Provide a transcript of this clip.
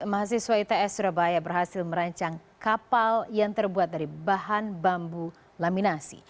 mahasiswa its surabaya berhasil merancang kapal yang terbuat dari bahan bambu laminasi